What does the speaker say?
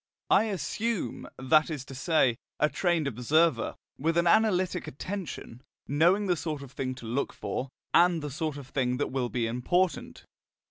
I assume, that is to say, a trained observer, with an analytic attention, knowing the sort of thing to look for, and the sort of thing that will be important.